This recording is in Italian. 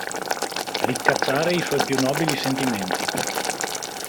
Ricacciare i suoi più nobili sentimenti.